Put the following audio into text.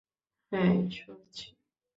হ্যাঁ, সরছি।